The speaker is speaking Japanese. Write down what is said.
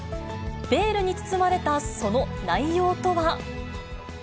ベールに包まれたその内容とは。